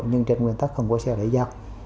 nhưng trên nguyên tắc không có xe để giao